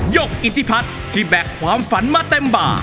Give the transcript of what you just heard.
กอิทธิพัฒน์ที่แบกความฝันมาเต็มบ่า